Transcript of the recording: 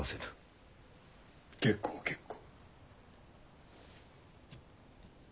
結構結構。